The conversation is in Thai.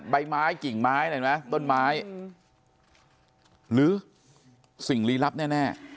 ใบไม้กิ่งไม้เห็นไหมต้นไม้หรือสิ่งลีลับแน่